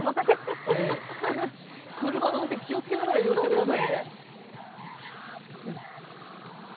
車の運転、気をつけながら移動してくださいね。